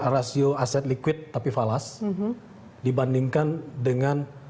rasio aset liquid tapi falas dibandingkan dengan